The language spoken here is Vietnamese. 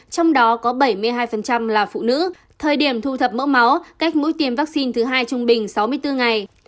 trong đó có bảy mươi hai là phụ nữ thời điểm thu thập mẫu máu cách mũi tiêm vaccine thứ hai trung bình sáu mươi bốn ngày